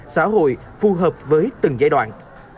xã hội phù hợp với từng giai đoạn